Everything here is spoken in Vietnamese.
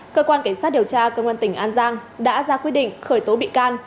cơ quan cảnh sát điều tra công an tỉnh an giang đã ra quyết định khởi tố bị can